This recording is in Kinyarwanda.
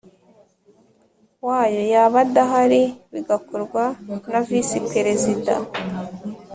wayo yaba adahari bigakorwa na Visi Perezida